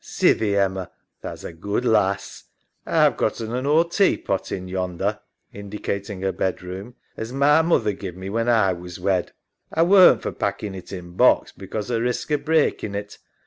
Sithee, Emma, tha's a good lass. A've gotten an ould tea pot in yonder {indicating her bedroom) as my moother give me when A was wed. A weren't for packing it in box because o' risk o' breaking it.